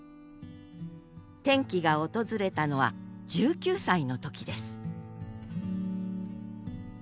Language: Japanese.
転機が訪れたのは１９歳の時です